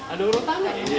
ada urutan ya